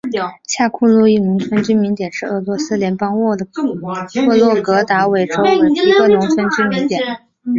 下库洛伊农村居民点是俄罗斯联邦沃洛格达州韦尔霍瓦日耶区所属的一个农村居民点。